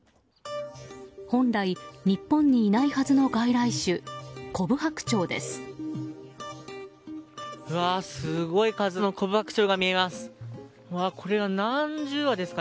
本来、日本にいないはずの外来種コブハクチョウです。